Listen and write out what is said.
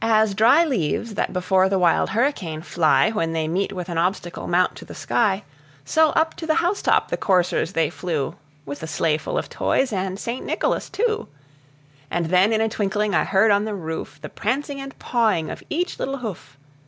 As dry leaves that before the wild hurricane fly, When they meet with an obstacle, mount to the sky; So up to the house top the coursers they flew, With the sleigh full of toys, and St. Nicholas, too. And then, in a twinkling, I heard on the roof The prancing and pawing of each little hoof.